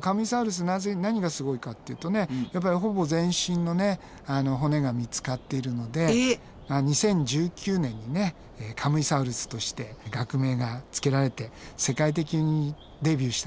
カムイサウルス何がすごいかっていうとねほぼ全身の骨が見つかってるので２０１９年にねカムイサウルスとして学名がつけられて世界的にデビューした有名な恐竜なんだよね。